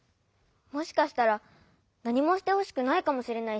もしかしたらなにもしてほしくないかもしれないし。